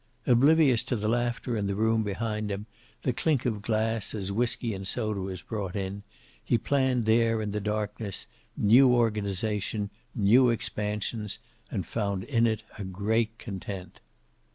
Oblivious to the laughter in the room behind him, the clink of glass as whiskey and soda was brought in, he planned there in the darkness, new organization, new expansions and found in it a great content.